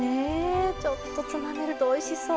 ちょっとつまめるとおいしそう。